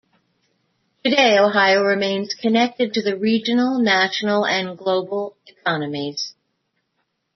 Today Ohio remains connected to the regional, national, and global economies.